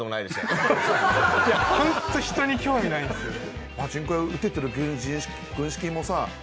いやホント人に興味ないんですよね。